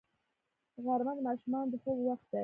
غرمه د ماشومانو د خوب وخت دی